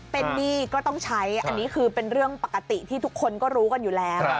เป็นหนี้ก็ต้องใช้อันนี้คือเป็นเรื่องปกติที่ทุกคนก็รู้กันอยู่แล้ว